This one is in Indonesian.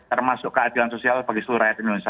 termasuk keadilan sosial bagi seluruh rakyat indonesia